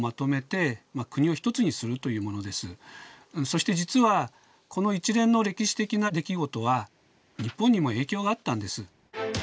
そして実はこの一連の歴史的な出来事は日本にも影響があったんです。